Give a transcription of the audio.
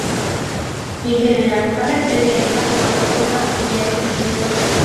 En general, cada especie es nativa de cuencas fluviales individuales.